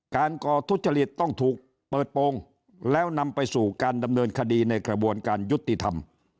ก่อทุจริตต้องถูกเปิดโปรงแล้วนำไปสู่การดำเนินคดีในกระบวนการยุติธรรม